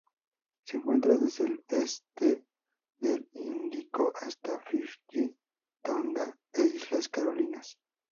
Se encuentra desde el este del Índico hasta Fiyi, Tonga e Islas Carolinas.